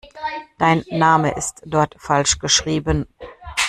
Dein Name ist dort falsch geschrieben.